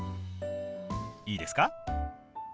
いいですか？